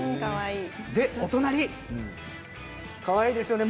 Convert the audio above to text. お隣かわいいですよね。